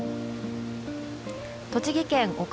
栃木県奥